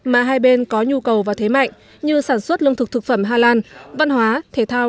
mà hai bên có nhu cầu và thế mạnh như sản xuất lương thực thực phẩm hà lan văn hóa thể thao